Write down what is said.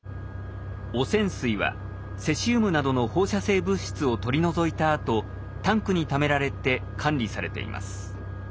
汚染水はセシウムなどの放射性物質を取り除いたあとタンクにためられて管理されています。